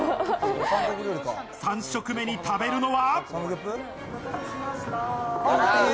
三食目に食べるのは。